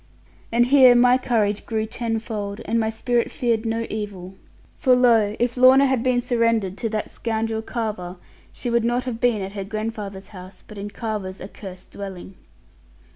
And here my courage grew tenfold, and my spirit feared no evil for lo, if Lorna had been surrendered to that scoundrel, Carver, she would not have been at her grandfather's house, but in Carver's accursed dwelling.